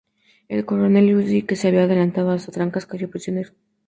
El coronel Huici, que se había adelantado hasta Trancas, cayó prisionero.